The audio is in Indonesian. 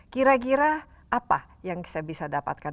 kira kira apa yang saya bisa dapatkan